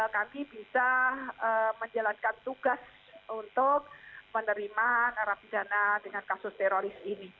kami bisa menjalankan tugas untuk menerima narapidana dengan kasus teroris ini